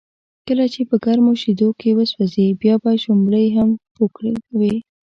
کله چې په گرمو شیدو و سوځې، بیا به شړومبی هم پو کوې.